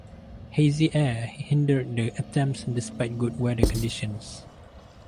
Hazy air hindered the attempts despite good weather conditions.